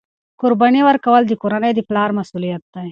قرباني ورکول د کورنۍ د پلار مسؤلیت دی.